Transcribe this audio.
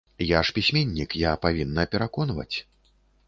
Я ж пісьменнік, я павінна пераконваць.